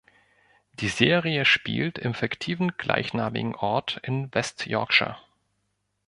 Die Serie spielt im fiktiven gleichnamigen Ort in West Yorkshire.